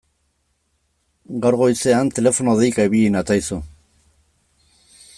Gaur goizean telefono deika ibili natzaizu.